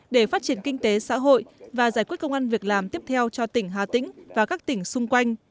để phát triển kinh tế xã hội và giải quyết công an việc làm tiếp theo cho tỉnh hà tĩnh và các tỉnh xung quanh